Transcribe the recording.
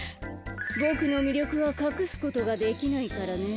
ボクのみりょくはかくすことができないからねははん。